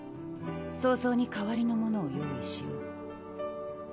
早々に代わりのものを用意しよう。